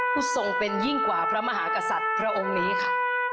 ทรงเป็นยิ่งกว่าพระมหากษัตริย์พระองค์นี้ค่ะ